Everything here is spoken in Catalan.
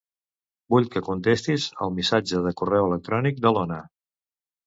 Vull que contestis el missatge de correu electrònic de l'Ona.